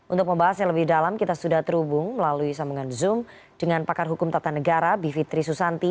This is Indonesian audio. untuk membahasnya lebih dalam kita sudah terhubung melalui samungan zoom dengan pakar hukum tata negara bivitri susati